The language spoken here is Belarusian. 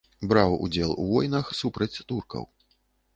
Браў удзел у войнах супраць туркаў.